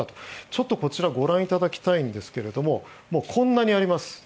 ちょっとこちらご覧いただきたいんですがこんなにあります。